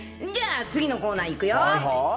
じゃあ次のコーナー行くよ。